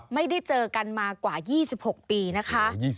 ไม่ได้เจอกันมากว่า๒๖ปีนะคะ